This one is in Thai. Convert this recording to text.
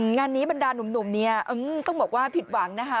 งานนี้บรรดาหนุ่มเนี่ยต้องบอกว่าผิดหวังนะคะ